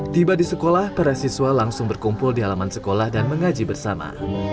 tiba di sekolah para siswa langsung berkumpul di halaman sekolah dan mengaji bersama